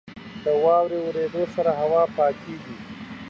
• د واورې اورېدو سره هوا پاکېږي.